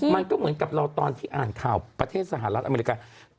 มันก็เหมือนกับเราตอนที่อ่านข่าวประเทศสหรัฐอเมริกา